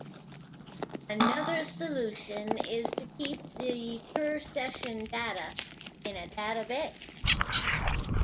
Another solution is to keep the per-session data in a database.